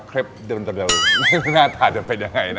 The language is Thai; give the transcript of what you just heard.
เคล็ปเดงานอาถาดจะเป็นยังไงนะ